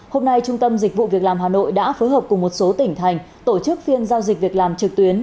hôm nay trung tâm dịch vụ việc làm hà nội đã phối hợp cùng một số tỉnh thành tổ chức phiên giao dịch việc làm trực tuyến